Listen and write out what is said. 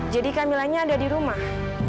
jadi kamilanya ada di rumah